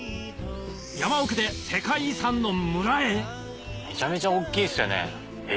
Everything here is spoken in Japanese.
山奥で世界遺産の村へめちゃめちゃ大きいっすよねえ